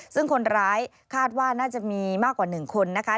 ซึ่งคนร้ายคาดว่าน่าจะมีมากกว่า๑คนนะคะ